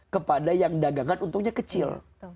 kepada yang dagangan untungnya kecil